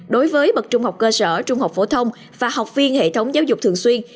đối với bậc trung học cơ sở trung học phổ thông và học viên hệ thống giáo dục thường xuyên